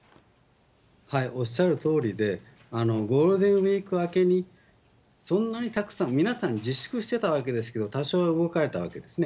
おっしゃるとおりで、ゴールデンウィーク明けに、そんなにたくさん、皆さん自粛してたわけですけれども、多少動かれたわけですね。